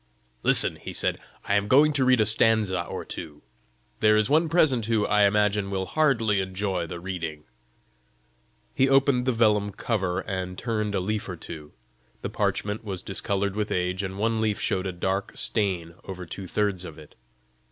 "Listen," he said: "I am going to read a stanza or two. There is one present who, I imagine, will hardly enjoy the reading!" He opened the vellum cover, and turned a leaf or two. The parchment was discoloured with age, and one leaf showed a dark stain over two thirds of it.